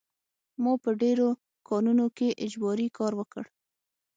ما په ډېرو کانونو کې اجباري کار وکړ